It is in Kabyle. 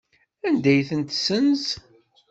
Anda ay tent-tessenz?